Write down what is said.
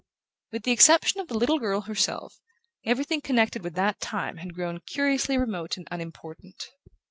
With the exception of the little girl herself, everything connected with that time had grown curiously remote and unimportant.